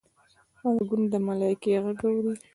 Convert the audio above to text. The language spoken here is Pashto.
غوږونه د ملایکې غږ اوري